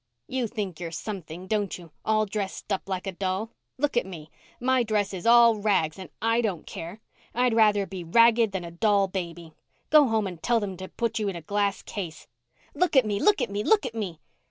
"You think you're something, don't you, all dressed up like a doll! Look at me. My dress is all rags and I don't care! I'd rather be ragged than a doll baby. Go home and tell them to put you in a glass case. Look at me—look at me—look at me!"